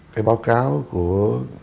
cái báo cáo của